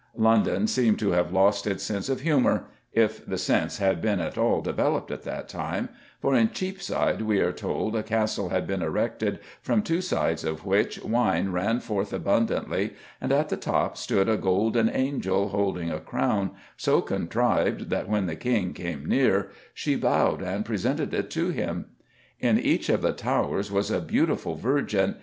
London seemed to have lost its sense of humour if the sense had been at all developed at that time for in Cheapside we are told a castle had been erected "from two sides of which wine ran forth abundantly, and at the top stood a golden angel, holding a crown, so contrived that when the King came near she bowed and presented it to him. In each of the towers was a beautiful virgin